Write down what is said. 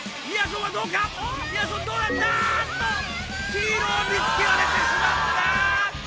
黄色を見つけられてしまった！